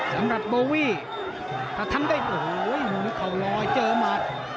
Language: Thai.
สำหรับโบวี่ถ้าทำได้โอ้โหเข่าลอยเจอหมัด